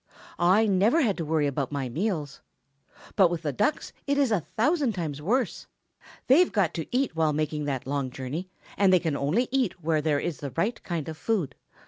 I never had to worry about my meals. But with the Ducks it is a thousand times worse. They've got to eat while making that long journey, and they can eat only where there is the right kind of food.